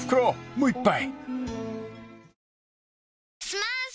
もう一杯］